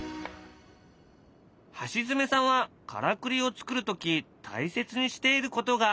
橋爪さんはからくりを作る時大切にしていることがあるという。